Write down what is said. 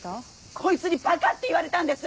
こいつにバカって言われたんです！